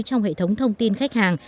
trong hệ thống kinh tế